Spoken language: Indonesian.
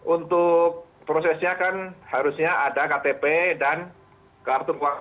untuk prosesnya kan harusnya ada ktp dan kartu keluarga